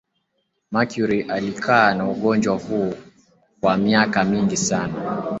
mercury alikaa na ugonjwa huo kwa miaka mingi sana